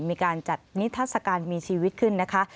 มีการจัดนิทัศกาลมีชีวิตขึ้นนะคะ